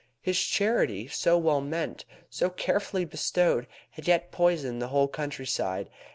His charity, so well meant, so carefully bestowed, had yet poisoned the whole countryside.